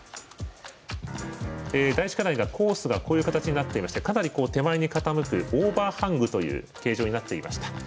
第１課題がコースがこういう形になっていましてかなり手前に傾くオーバーハングという形状になっていました。